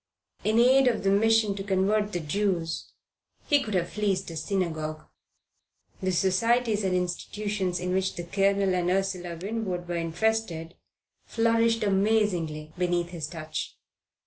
In aid of the Mission to Convert the Jews he could have fleeced a synagogue. The societies and institutions in which the Colonel and Ursula Winwood were interested flourished amazingly beneath his touch.